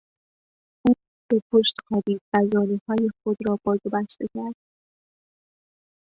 او به پشت خوابید و زانوهای خود را باز و بسته کرد.